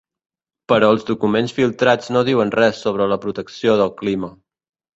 Però els documents filtrats no diuen res sobre la protecció del clima.